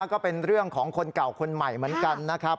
ก็เป็นเรื่องของคนเก่าคนใหม่เหมือนกันนะครับ